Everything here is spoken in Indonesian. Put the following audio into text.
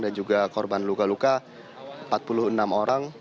dan juga korban luka luka empat puluh enam orang